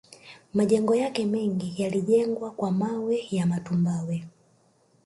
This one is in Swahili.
Majengo yake mengi yalijengwa kwa mawe ya matumbawe